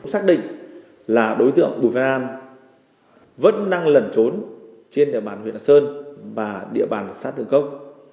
xác định là đối tượng bùi văn an vẫn đang lẩn trốn trên địa bàn huyện lạc sơn và địa bàn xã thượng cốc